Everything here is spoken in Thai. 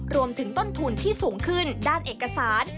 รวมถึงต้นทุนที่สูงขึ้นด้านเอกสาร